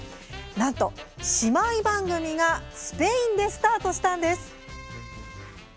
なんと、姉妹番組がスペインでスタートしたんです。